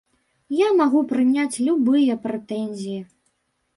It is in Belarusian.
Я магу прыняць любыя прэтэнзіі.